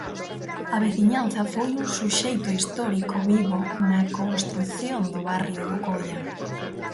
A veciñanza foi un suxeito histórico vivo na construción do barrio do Coia.